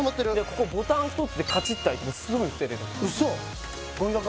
ここボタン１つでカチッて開いてすぐに捨てれる嘘！